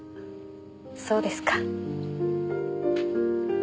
そうですか。